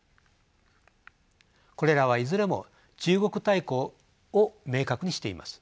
これらはいずれも中国対抗を明確にしています。